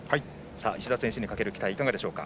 石田選手にかける期待はいかがでしょうか？